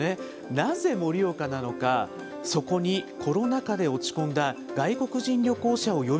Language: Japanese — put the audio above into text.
なぜ盛岡なのか、そこにコロナ禍で落ち込んだ外国人旅行者を呼び